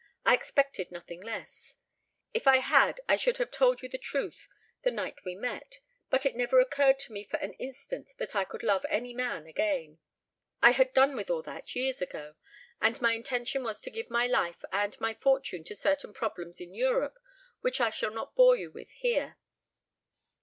I expected nothing less! If I had I should have told you the truth the night we met. But it never occurred to me for an instant that I could love any man again. I had done with all that years ago, and my intention was to give my life and my fortune to certain problems in Europe which I shall not bore you with here.